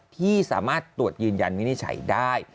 ที่สามารถตรวจยืนยันวินิจฉัยได้